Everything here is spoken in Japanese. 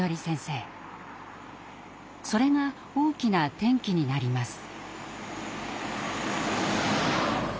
それが大きな転機になります。